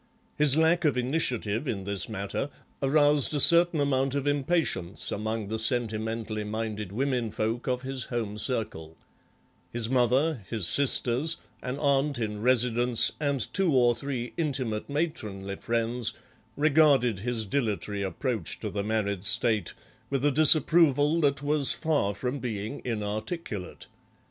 His lack of initiative in this matter aroused a certain amount of impatience among the sentimentally minded women folk of his home circle; his mother, his sisters, an aunt in residence, and two or three intimate matronly friends regarded his dilatory approach to the married state with a disapproval that was far from being inarticulate.